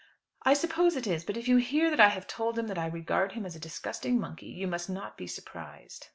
"I suppose it is. But if you hear that I have told him that I regard him as a disgusting monkey, you must not be surprised."